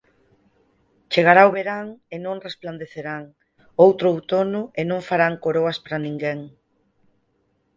Chegará o verán e non resplandecerán; outro outono e non farán coroas para ninguén.